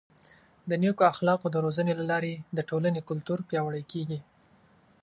د نیکو اخلاقو د روزنې له لارې د ټولنې کلتور پیاوړی کیږي.